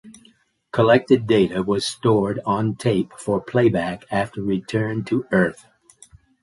Collected data was stored on tape for playback after return to Earth.